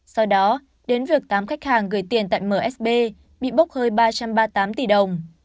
sau đó đến việc tám khách hàng gửi tiền tại msb bị bốc hơi ba trăm ba mươi tám tỷ đồng